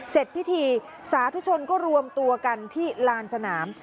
เสร็จพิธีสาธุชนก็รวมตัวกันที่ลานสนาม